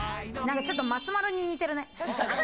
ちょっと松丸に似てるね。